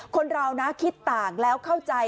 คนเรานะคิดต่างแล้วเข้าใจ